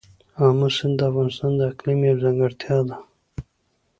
آمو سیند د افغانستان د اقلیم یوه ځانګړتیا ده.